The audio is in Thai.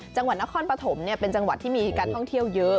จังหวัดนครปฐมเป็นจังหวัดที่มีการท่องเที่ยวเยอะ